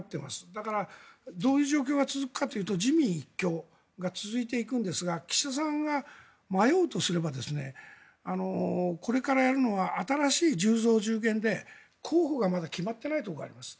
だからどういう状況が続くかというと自民一強が続いていくんですが岸田さんが迷うとすればこれからやるのは新しい１０増１０減で候補がまだ決まっていないところがあります。